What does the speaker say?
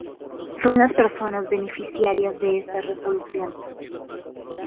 Son las personas beneficiarias de esa resolución.